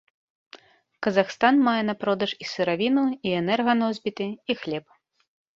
Казахстан мае на продаж і сыравіну, і энерганосьбіты, і хлеб.